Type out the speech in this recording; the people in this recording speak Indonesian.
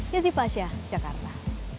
yazifah syah jakarta